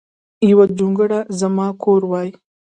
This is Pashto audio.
یو جونګړه ځما کور وای